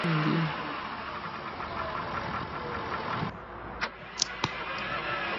Lakini Uganda ilikuwa inajiandaa na hali yoyote yenye itakayojitokeza ikiwa na mpango mwingine .